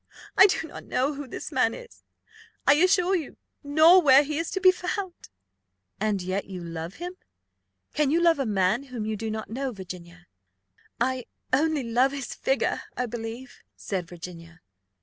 I do not know who this man is, I assure you; nor where he is to be found." "And yet you love him? Can you love a man whom you do not know, Virginia?" "I only love his figure, I believe," said Virginia.